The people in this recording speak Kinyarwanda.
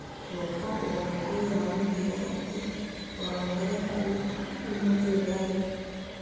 nuko uwo mugore aramubwira ati wa mugaragu w umuheburayo